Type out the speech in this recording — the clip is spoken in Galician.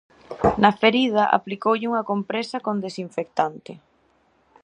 Na ferida aplicoulle unha compresa con desinfectante.